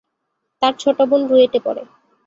তার ছোট বোন রুয়েটে পড়ে।